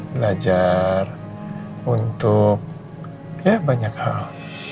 belajar untuk ya banyak hal